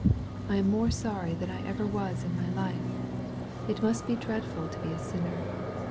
*'I am more sony than I ever was in my life. It must be dreadful to be a sinner.